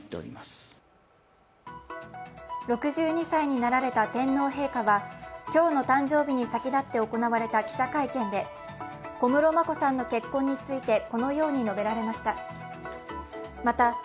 ６２歳になられた天皇陛下は、今日の誕生日に先立って行われた記者会見で、小室眞子さんの結婚について、このように述べられました。